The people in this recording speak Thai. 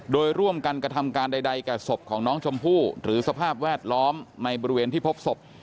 โดยร่วมกันกระทำการใดแก่ศพของน้องชมพู่หรือสภาพแวดล้อมในบริเวณที่พบศพ